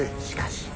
しかし。